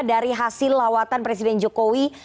dari hasil lawatan presiden jokowi